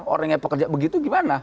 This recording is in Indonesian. orang yang pekerja begitu gimana